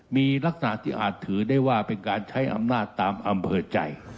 มีลักษณะที่อาจถือได้ว่าเป็นการใช้อำนาจตามอำเภอใจ